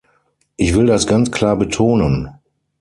Ich will das ganz klar betonen.